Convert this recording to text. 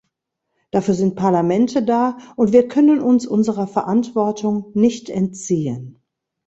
Dafür sind Parlamente da, und wir können uns unserer Verantwortung nicht entziehen.